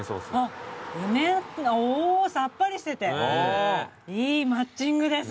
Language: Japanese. おおさっぱりしてていいマッチングです。